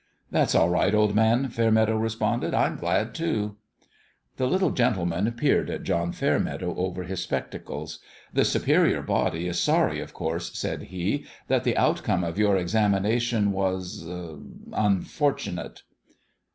" That's all right, old man I " Fairmeadow re sponded. " I'm glad, too." The little gentleman peered at John Fair meadow over his spectacles. "The Superior Body is sorry, of course," said he, "that the outcome of your examination was unfortu nate."